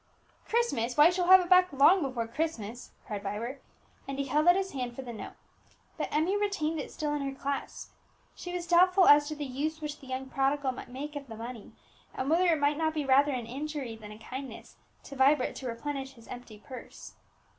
"Christmas! why, you shall have it back long before Christmas," cried Vibert; and he held out his hand for the note. But Emmie retained it still in her clasp. She was doubtful as to the use which the young prodigal might make of the money, and whether it might not be rather an injury than a kindness to Vibert to replenish his empty purse.